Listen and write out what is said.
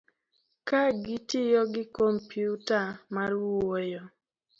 ka gitiyo gi kompyuta mar wuoyo